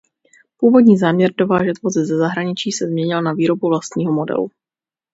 Původní záměr dovážet vozy ze zahraničí se změnil na výrobu vlastního modelu.